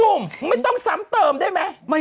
หนุ่มไม่ต้องซ้ำเติมได้ไหม